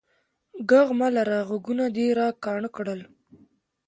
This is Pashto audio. ږغ مه لره، غوږونه دي را کاڼه کړل.